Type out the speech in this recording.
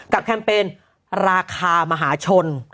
แคมเปญราคามหาชน